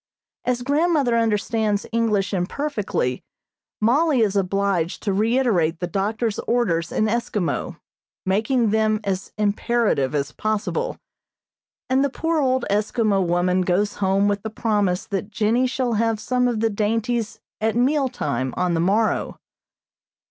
As grandmother understands English imperfectly, Mollie is obliged to reiterate the doctor's orders in Eskimo, making them as imperative as possible, and the poor old Eskimo woman goes home with the promise that Jennie shall have some of the dainties at meal time on the morrow.